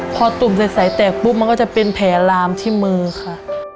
พอตุ่มใสแตกปุ๊บมันก็จะเป็นแผลลามที่มือค่ะ